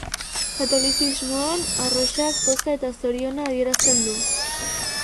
Katolizismoan, arrosak poza eta zoriona adierazten du.